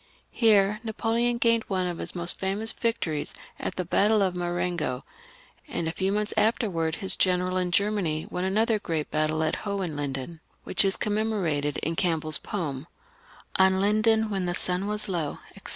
Here Napoleon gained one of his most famous victories at the battle of Marengo ; and a few months afterwards his general in Germany won another great battle at Hohenlinden, which is known from CampbeU's poem— " On Linden, when the sun was low," etc.